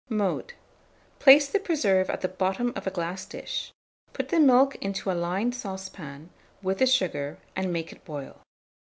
Mode. Place the preserve at the bottom of a glass dish; put the milk into a lined saucepan, with the sugar, and make it boil.